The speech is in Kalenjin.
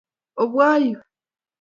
Obwa yu.